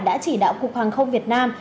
đã chỉ đạo cục hàng không việt nam